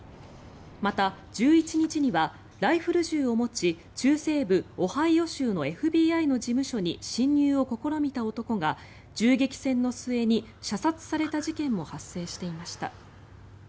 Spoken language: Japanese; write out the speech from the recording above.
また、１１日にはライフル銃を持ち中西部オハイオ州のＦＢＩの事務所に侵入を試みた男が銃撃戦の末に射殺された事件も発生していました。